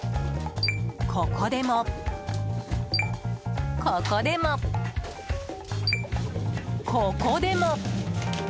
ここでも、ここでも、ここでも！